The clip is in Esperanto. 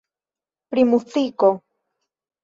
Pri muziko.